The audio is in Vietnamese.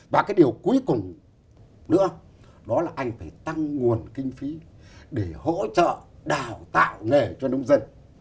và cái điều cuối cùng nữa đó là anh phải tăng nguồn kinh phí để hỗ trợ đào tạo nghề cho nông dân